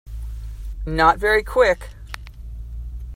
Not very Quick.